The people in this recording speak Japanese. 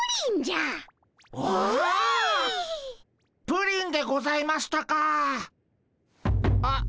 プリンでございましたかっ。